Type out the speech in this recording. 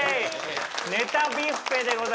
ネタビュッフェでございます。